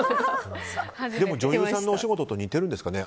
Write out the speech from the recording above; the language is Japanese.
でも女優さんのお仕事と似てるんですかね。